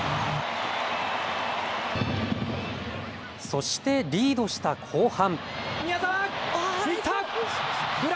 そしてリードした後半。